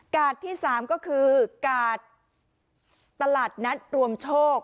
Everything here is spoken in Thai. ที่๓ก็คือกาดตลาดนัดรวมโชค